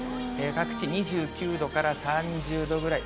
各地２９度から３０度ぐらい。